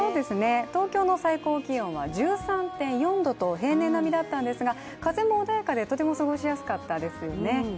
東京の最高気温は１３．４度と平年並みだったんですが風も穏やかで、とても過ごしやすかったですよね。